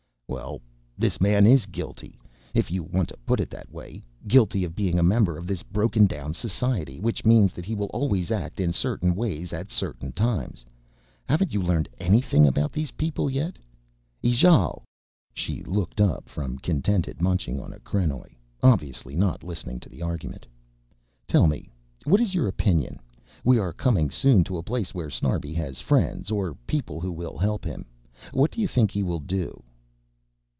"Well this man is guilty, if you want to put it that way, guilty of being a member of this broken down society, which means that he will always act in certain ways at certain times. Haven't you learned anything about these people yet? Ijale!" She looked up from contented munching on a krenoj, obviously not listening to the argument. "Tell me, what is your opinion? We are coming soon to a place where Snarbi has friends, or people who will help him. What do you think he will do?"